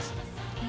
え！